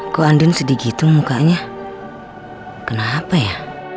kok andien sedih gitu mukanya kenapa ya